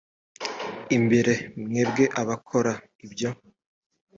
imbere mwebwe abakora ibyo